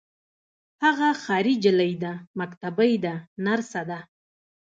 هغه ښاري نجلۍ ده مکتبۍ ده نرسه ده.